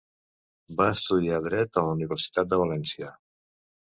Va estudiar dret a la Universitat de València.